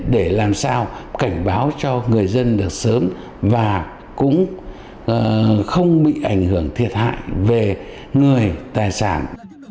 để làm sao cảnh báo cho người dân được sớm và cũng không bị ảnh hưởng thiệt hại về người tài sản